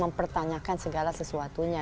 mempertanyakan segala sesuatunya